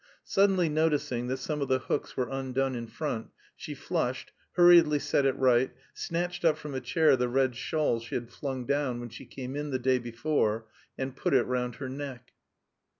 Suddenly noticing that some of the hooks were undone in front she flushed, hurriedly set it right, snatched up from a chair the red shawl she had flung down when she came in the day before, and put it round her neck.